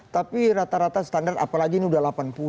tapi rata rata standar apalagi ini sudah delapan puluh